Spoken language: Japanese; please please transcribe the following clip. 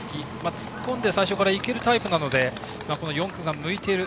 突っ込んで最初から行けるタイプなので４区が向いている。